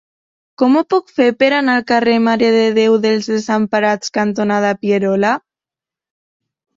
Com ho puc fer per anar al carrer Mare de Déu dels Desemparats cantonada Pierola?